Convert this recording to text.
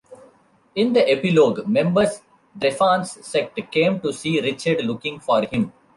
In the epilogue, members Drefan's sect come to see Richard looking for him.